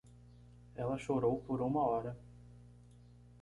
Ela chorou por uma hora.